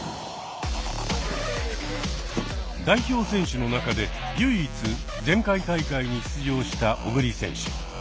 代表選手の中で唯一前回大会に出場した小栗選手。